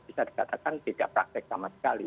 bisa dikatakan tidak praktek sama sekali